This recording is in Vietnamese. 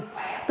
các bọc ma túy